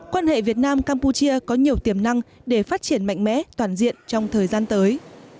quan hệ việt nam campuchia có nhiều tiềm năng để phát triển mạnh mẽ toàn diện trong thời gian tới